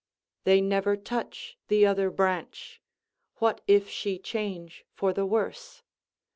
They never touch the other branch, "What if she change for the worse?"